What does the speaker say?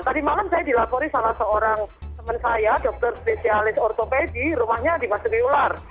tadi malam saya dilapori salah seorang teman saya dokter spesialis ortopedi rumahnya dimasuki ular